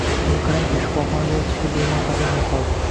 Buni qarangki, shifoxonada yotishga bemor topilmay qolibdi